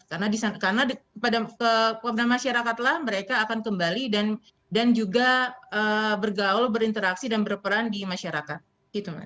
karena pada masyarakatlah mereka akan kembali dan juga bergaul berinteraksi dan berperan di masyarakat